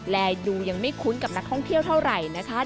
และดูยังไม่คุ้นกับนักท่องเที่ยวเท่าไหร่นะคะ